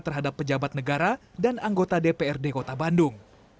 terhadap pejabat negara dan anggota dprd kota bandung